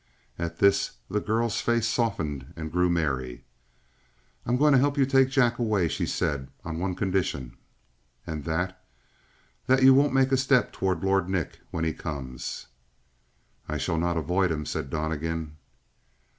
And at this the girl's face softened and grew merry. "I'm going to help you to take Jack away," she said, "on one condition." "And that?" "That you won't make a step toward Lord Nick when he comes." "I shall not avoid him," said Donnegan.